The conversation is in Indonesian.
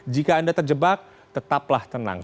jika anda terjebak tetaplah tenang